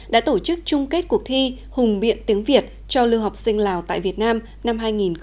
đã tổ chức chung kết cuộc thi hùng biện tiếng việt cho lưu học sinh lào tại việt nam năm hai nghìn một mươi chín